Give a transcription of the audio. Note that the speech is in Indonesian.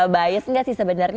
bias nggak sih sebenarnya